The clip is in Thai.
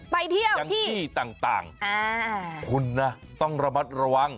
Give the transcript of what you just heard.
ไปเที่ยวอย่างที่ต่างคุณนะต้องระมัดระวัง